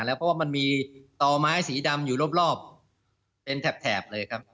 เพราะว่ามันมีต่อไม้สีดำอยู่รอบเป็นแถบเลยครับ